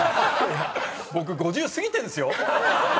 僕５０過ぎてんですよ。